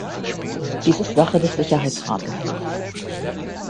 Dies ist Sache des Sicherheitsrates.